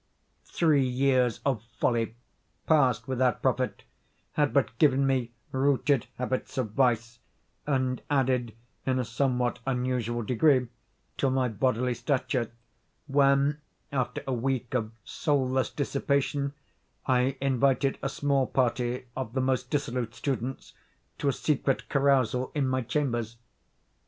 Three years of folly, passed without profit, had but given me rooted habits of vice, and added, in a somewhat unusual degree, to my bodily stature, when, after a week of soulless dissipation, I invited a small party of the most dissolute students to a secret carousal in my chambers.